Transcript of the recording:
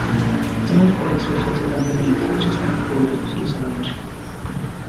Dive brakes were fitted underneath just outboard of the fuselage.